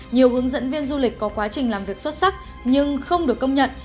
nhiều hướng dẫn viên du lịch có quá trình làm việc xuất sắc nhưng không được công nhận